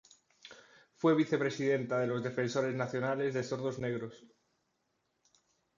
Fue vicepresidenta de los Defensores Nacionales de Sordos Negros.